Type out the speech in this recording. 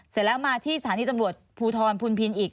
เสร็จแล้วมาสถานีจำบุหัวภูทรภูนิบิรษีอีก